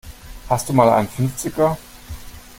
Hast du mal einen Fünfziger?